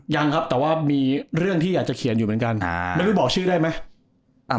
ยังครับแต่ว่ามีเรื่องที่อยากจะเขียนอยู่เหมือนกันไม่รู้บอกชื่อได้ไหม